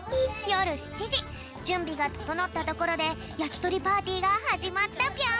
じゅんびがととのったところでやきとりパーティーがはじまったぴょん。